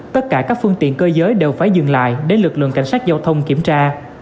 tất cả các phương tiện cơ giới đều phải dừng lại để lực lượng cảnh sát giao thông kiểm tra